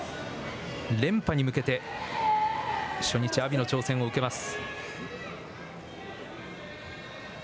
連覇に向けて初日、阿炎の挑戦を受けます。